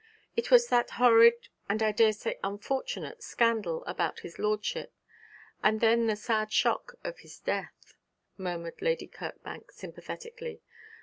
'It was that horrid and I daresay unfortunate scandal about his lordship; and then the sad shock of his death,' murmured Lady Kirkbank, sympathetically.